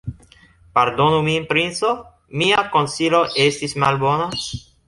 Pardonu min, princo: Mia konsilo estis malbona.